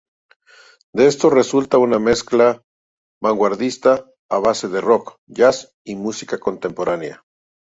De esto resulta una mezcla vanguardista a base de "rock", "jazz" y música contemporánea.